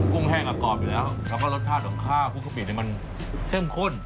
ุ้งแห้งอ่ะกรอบอยู่แล้วแล้วก็รสชาติของข้าวพวกกะปิเนี่ยมันเข้มข้น